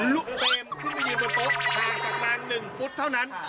ลูกเต็มขึ้นไปยืนบนโต๊ะห่างจากนาง๑ฟุตเท่านั้น